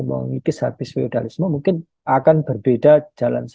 mengikis habis feudalisme mungkin akan berbeda jalan sesuai